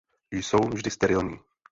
Jsou vždy sterilní.